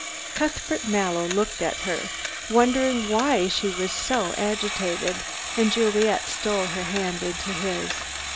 Cuthbert Mallow looked at her, wondering why she was so agitated, and Juliet stole her hand into his.